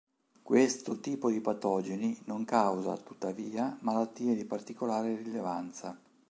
Questo tipo di patogeni non causa tuttavia malattie di particolare rilevanza.